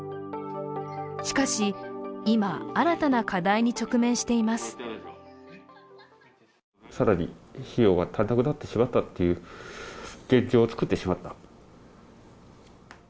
しかし、今、新たな課題に直面しています。